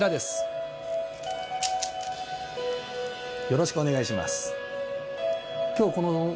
よろしくお願いします。